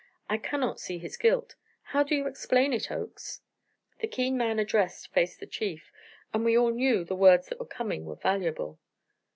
I cannot see his guilt. How do you explain it, Oakes?" The keen man addressed faced the Chief, and we all knew the words that were coming were valuable.